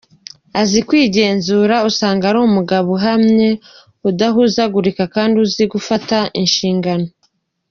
Azi kwigenzura, usanga ari umugabo uhamye, udahuzagurika kandi uzi gufata inshingano.